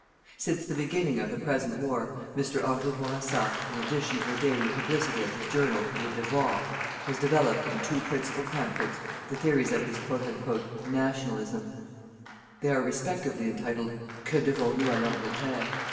"Since the beginning of the present war, Mr. Henri Bourassa, in addition to the daily publicity of his journal "Le Devoir", has developed, in two principal pamphlets, the theories of his "Nationalism". They are respectively entitled: "_Que devons nous à l'Angleterre?